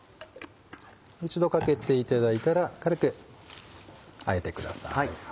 一度かけていただいたら軽くあえてください。